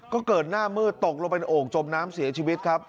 ก็เกิดหน้ามืดตกลงเป็นโอ่งจมน้ำเสียชีวิตครับ